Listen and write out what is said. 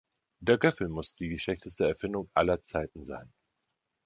Der Göffel muss die schlechteste Erfindung aller Zeiten sein.